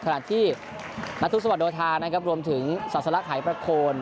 ขนาดที่นัททุกสมัครโดทานนะครับรวมถึงศาสนรักษณ์หายประโคล